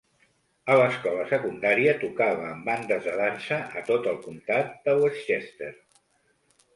A l'escola secundària, tocava en bandes de dansa a tot el comtat de Westchester.